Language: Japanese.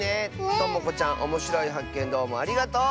ともこちゃんおもしろいはっけんどうもありがとう！